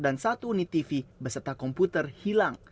dan satu unit tv beserta komputer hilang